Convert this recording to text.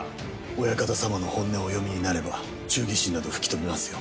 ・親方様の本音をお読みになれば忠義心など吹き飛びますよ